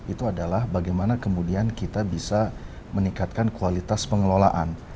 itu adalah bagaimana kemudian kita bisa meningkatkan kualitas pengelolaan